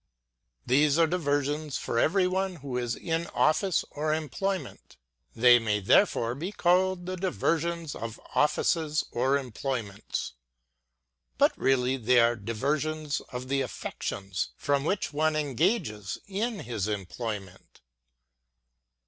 These are diversions for every one who is in ofiice or em USEFUL DIVERSIONS. 153 ployment. They may therefore he called the diversions of ojiices or employments. But reall}" they are diversions of the affections from which one engages in his employment.